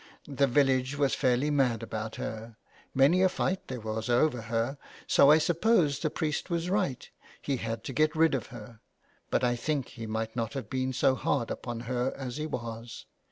The village was fairly mad about her, many a fight there was over her, so I suppose the priest was right. He had to get rid of her ; but I think he might not have been so hard upon her as he wa».